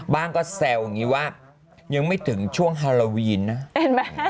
บ้างก็แซวอย่างนี้ว่ายังไม่ถึงช่วงฮาโลวีนนะ